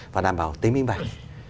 và đảm bảo tính bình bản